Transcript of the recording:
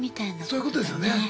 そういうことですよね。